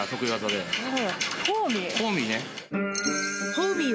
ホーミー？